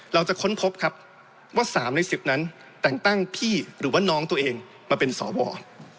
เราจะค้นพบครับว่า๓ใน๑๐นั้นแต่งตั้งพี่หรือว่าน้องตัวเองมาเป็นสว